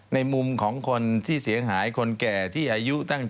ในมุมของคนที่เสียหายคนแก่ที่อายุตั้งแต่